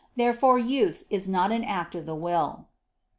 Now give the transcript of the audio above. Therefore use is not an act of the will.